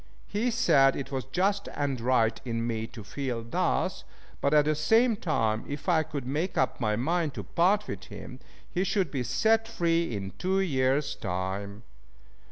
He said it was just and right in me to feel thus, but at the same time, if I could make up my mind to part with him, he should be set free in two years' time.